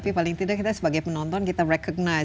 jika tidak kita sebagai penonton kita mengenal